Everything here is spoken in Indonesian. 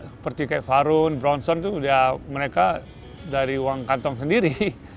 seperti farun bronson mereka dari uang kantong sendiri